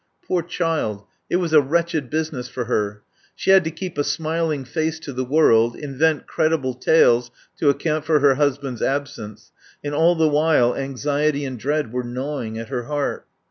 Poor child, it was a wretched business for her. She had to keep a smiling face to the world, invent credible tales to account for her husband's absence, and all the while anxiety and dread were gnawing at her heart.